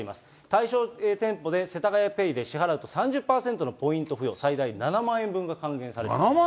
対象店舗で、せたがやＰａｙで支払うと３０％のポイント付与、最大７万円分が還元される。